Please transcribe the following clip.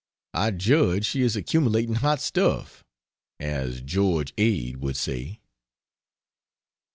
I judge she is accumulating Hot Stuff as George Ade would say....